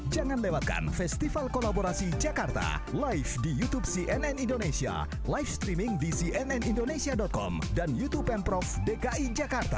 jangan lewatkan festival kolaborasi jakarta live di youtube cnn indonesia live streaming di cnnindonesia com dan youtube pemprov dki jakarta